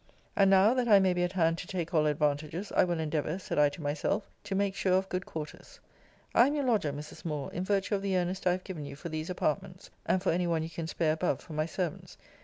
And now, that I may be at hand to take all advantages, I will endeavour, said I to myself, to make sure of good quarters. I am your lodger, Mrs. Moore, in virtue of the earnest I have given you for these apartments, and for any one you can spare above for my servants.